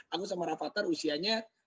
aku sama rafathar usianya